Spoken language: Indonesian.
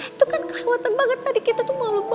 itu kan kelewatan banget tadi kita tuh ngelakuin